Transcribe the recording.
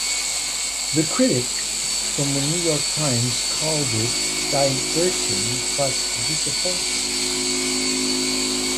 The critic from the "New York Times" called it "diverting but disappointing".